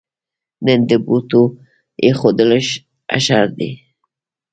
نن د بوټو اېښودلو اشر دی.